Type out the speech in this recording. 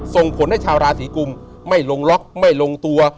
ส่งผลให้ชาวราศีกุมไม่ลงล็อกไม่ลงตัว